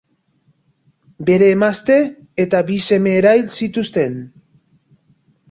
Bere emazte eta bi seme erail zituzten.